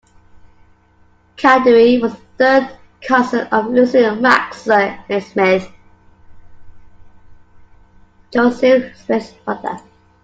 Cowdery was a third cousin of Lucy Mack Smith, Joseph Smith's mother.